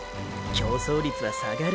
競争率は下がる！